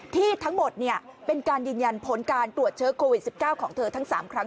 ที่ทั้งหมดเป็นการยืนยันผลการตรวจเชื้อโควิด๑๙ของเธอทั้ง๓ครั้ง